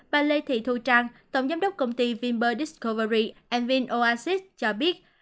bà lê thị thu trang tổng giám đốc công ty vimper discovery vin oasis cho biết